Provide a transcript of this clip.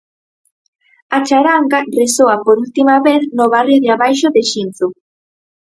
A charanga resoa por última vez no Barrio de Abaixo de Xinzo.